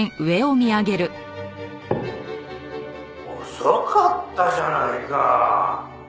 遅かったじゃないか。